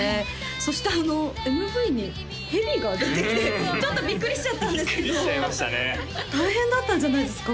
そしてＭＶに蛇が出てきてちょっとビックリしちゃったんですけど大変だったんじゃないですか？